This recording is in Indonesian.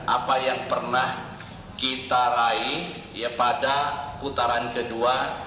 apa yang pernah kita raih pada putaran kedua